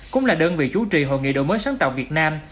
cũng là đơn vị chú trì hội nghị đổi mới sáng tạo việt nam